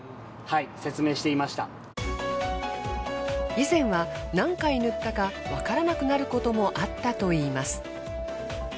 以前は何回塗ったかわからなくなることもあったといいます。